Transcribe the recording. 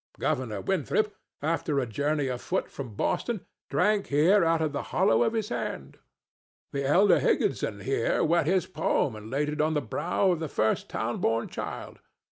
Governor Winthrop, after a journey afoot from Boston, drank here out of the hollow of his hand. The elder Higginson here wet his palm and laid it on the brow of the first town born child.